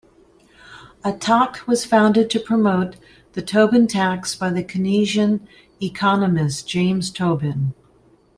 Attac was founded to promote the Tobin tax by the Keynesian economist James Tobin.